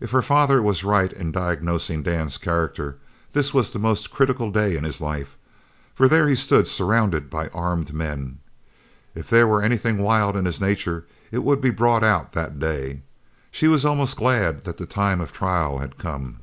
If her father was right in diagnosing Dan's character, this was the most critical day in his life, for there he stood surrounded by armed men. If there were anything wild in his nature it would be brought out that day. She was almost glad the time of trial had come.